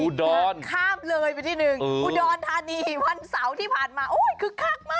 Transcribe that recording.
ข้ามเลยไปที่หนึ่งอุดรธานีวันเสาร์ที่ผ่านมาโอ้ยคึกคักมาก